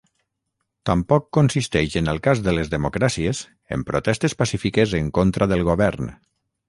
Tampoc consisteix en el cas de les democràcies en protestes pacífiques en contra del govern.